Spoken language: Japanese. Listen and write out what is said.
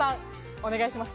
お願いします。